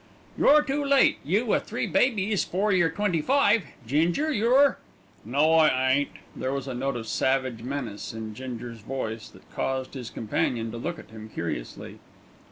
"You're too late, you wi' three babies 'fore you're twenty five. Ginger, you're " "No, I ain't!" There was a note of savage menace in Ginger's voice that caused his companion to look at him curiously.